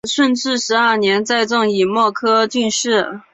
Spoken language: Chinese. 顺治十二年再中乙未科进士。